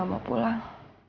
aku gak mau pulang